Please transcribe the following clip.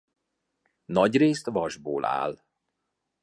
Nagyrészt vasból áll.